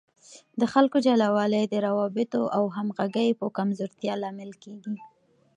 د خلکو جلاوالی د روابطو او همغږۍ په کمزورتیا لامل کیږي.